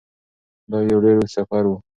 دا یو ډیر اوږد سفر و.